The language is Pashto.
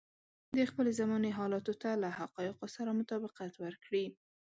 د خپلې زمانې حالاتو ته له حقايقو سره مطابقت ورکړي.